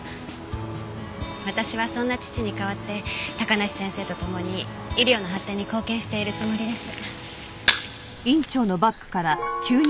私はそんな父に代わって高梨先生と共に医療の発展に貢献しているつもりです。